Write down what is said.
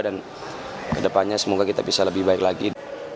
dan ke depannya semoga kita bisa lebih baik lagi